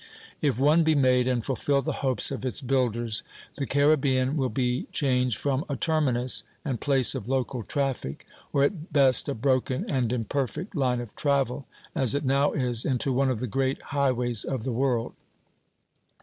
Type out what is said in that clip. If one be made, and fulfil the hopes of its builders, the Caribbean will be changed from a terminus, and place of local traffic, or at best a broken and imperfect line of travel, as it now is, into one of the great highways of the world.